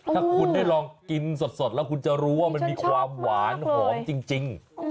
ถ้าคุณได้ลองกินสดแล้วคุณจะรู้ว่ามันมีความหวานหอมจริง